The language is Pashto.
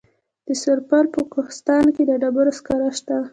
د سرپل په کوهستان کې د ډبرو سکاره شته.